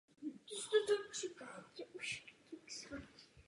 Jednoho dne se rozloučil a odešel.